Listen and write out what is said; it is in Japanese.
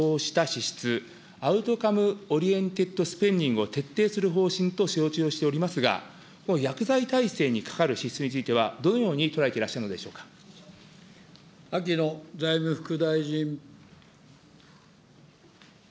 財務省としては、成果をしこうした資質、アウトカムオリエンテッドスペンディングを徹底する方針と承知をしておりますが、薬剤耐性にかかる資質については、どのように捉秋野財務副大臣。